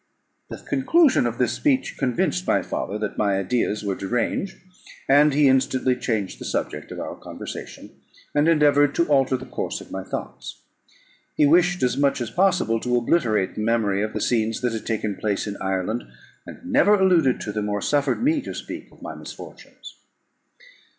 The conclusion of this speech convinced my father that my ideas were deranged, and he instantly changed the subject of our conversation, and endeavoured to alter the course of my thoughts. He wished as much as possible to obliterate the memory of the scenes that had taken place in Ireland, and never alluded to them, or suffered me to speak of my misfortunes.